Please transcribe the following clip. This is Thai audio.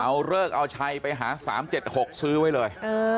เอาเลิกเอาชัยไปหา๓๗๖ซื้อไว้เลย